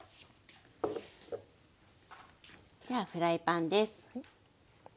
ではフライパンです。